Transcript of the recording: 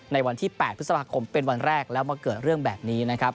วันที่๘พฤษภาคมเป็นวันแรกแล้วมาเกิดเรื่องแบบนี้นะครับ